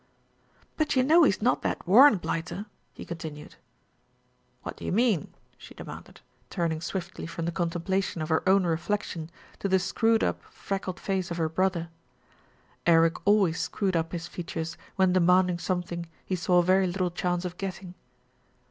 "But you know he's not that Warren blighter," he continued. "What do you mean?" she demanded, turning swiftly from the contemplation of her own reflection to the screwed up freckled face of her brother. Eric always screwed up his features when demanding some thing he saw very little chance of getting.